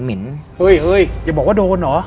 เฮ้ยอย่าบอกว่าโดนเหรอ